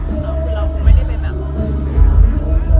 คือเราคงไม่ได้ไปแบบ